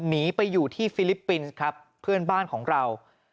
หนีไปอยู่ที่ฟิลิปปินส์ครับเพื่อนบ้านของเรา